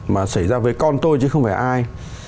mà xảy ra với con tôi chứ không phải ai